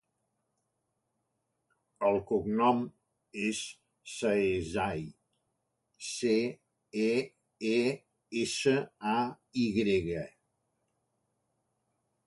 El cognom és Ceesay: ce, e, e, essa, a, i grega.